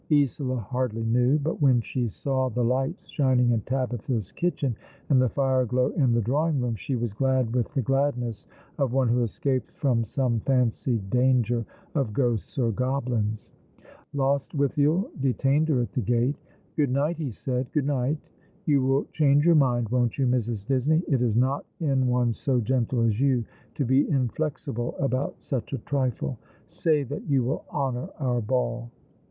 Isola hardly knew; but when she saw the lights shining in Tabitha's kitchen, and the fire glow in tho drawing room, she was glad with the gladness of one who escapes from some fancied danger of ghosts or goblins. Lostwithiel detained her at the gate. " Good night," ho said ;" good night. You will change your mind, won't you, Mrs. Disney ? It is not in one so gentle as you to be inflexible about such a trifle. Say that you will honour our ball."